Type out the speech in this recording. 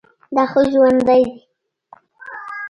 دا خو ژوندى دى.